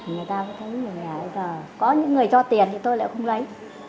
người ta cứ thấy là có những người cho tiền thì tôi lại không lấy